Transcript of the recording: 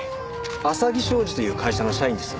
あさぎ商事という会社の社員です。